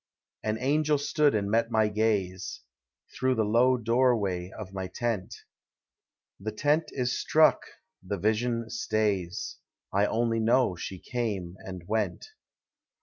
An angel stood and met my gaze. Through the low doorway of my tent; The tent is struck, the vision stays; — I only know she came and went.